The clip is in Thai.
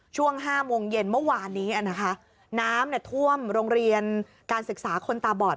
ช่วงห้าโมงเย็นเมื่อวานนี้นะคะน้ำท่วมโรงเรียนการศึกษาคนตาบอด